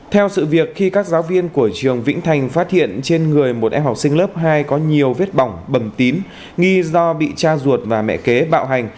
theo sự việc khi các giáo viên của trường vĩnh thành phát hiện trên người một em học sinh lớp hai có nhiều vết bỏng bầm tím nghi do bị cha ruột và mẹ kế bạo hành